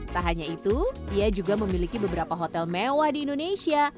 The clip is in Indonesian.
tak hanya itu ia juga memiliki beberapa hotel mewah di indonesia